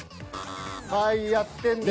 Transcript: はいやってんで。